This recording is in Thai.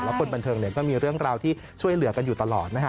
คนบันเทิงก็มีเรื่องราวที่ช่วยเหลือกันอยู่ตลอดนะฮะ